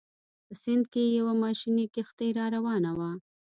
په سیند کې یوه ماشیني کښتۍ راروانه وه.